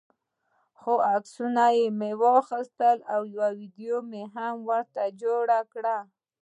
څو عکسونه مې واخیستل او یوه ویډیو مې هم ترې جوړه کړه.